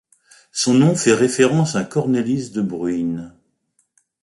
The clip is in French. Son nom fait référence à Cornelis de Bruijn.